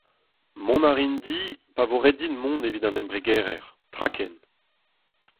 Mont a rin di pa vo ret din mont evit an embregerezh, traken.